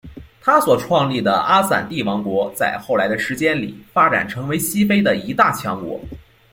他所创立的阿散蒂王国在后来的时间里发展成为西非的一大强国。